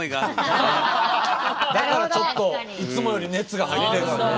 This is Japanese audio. だからちょっといつもより熱が入ってんすね。